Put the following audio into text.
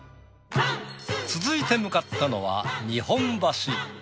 続いて向かったのは日本橋。